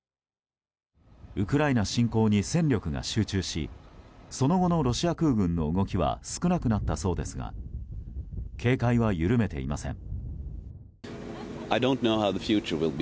ウクライナ侵攻に戦力が集中しその後のロシア空軍の動きは少なくなったそうですが警戒は緩めていません。